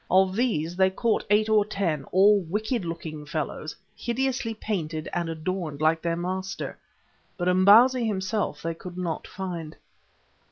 Of these they caught eight or ten, all wicked looking fellows hideously painted and adorned like their master, but Imbozwi himself they could not find.